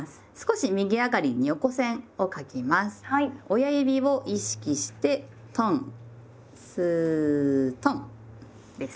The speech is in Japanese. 親指を意識してトンスートンです。